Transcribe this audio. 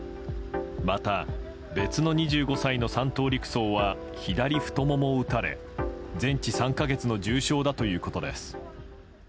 また、別の２５歳の３等陸曹は左太ももを撃たれ全治３か月の重傷だということです。